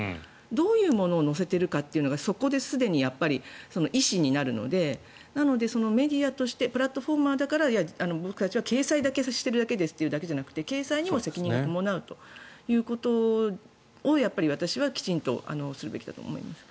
どういうものを載せているかがそこですでに意思になるのでなので、メディアとしてプラットフォーマーだから僕らは掲載だけしているだけですというんじゃなくて掲載にも責任は伴うということを私はきちんとするべきだと思います。